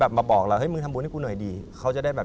แบบบอกเราเห้ยทำบุญหน่อยดีเขาจะได้แบบ